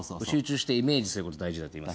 集中してイメージすること大事だと。